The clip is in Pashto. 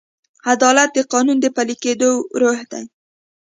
عدالت د قانون د پلي کېدو روح دی.